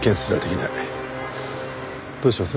どうします？